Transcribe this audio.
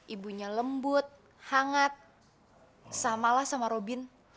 ibunya lembut hangat samalah sama robin